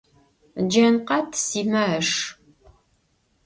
Джанкъат Симэ ыш.